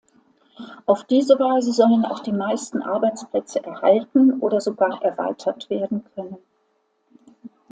Auf diese Weise sollen auch die meisten Arbeitsplätze erhalten oder sogar erweitert werden können.